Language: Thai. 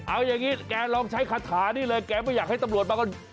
เอาอย่างนี้แกลองใช้คาถานี่เลยแกไม่อยากให้ตำรวจมาก่อน